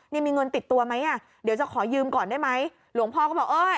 นี่มีเงินติดตัวไหมอ่ะเดี๋ยวจะขอยืมก่อนได้ไหมหลวงพ่อก็บอกเอ้ย